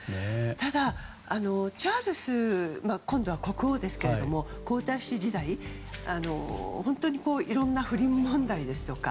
ただ、チャールズ今度は国王ですけども、皇太子時代本当にいろんな不倫問題ですとか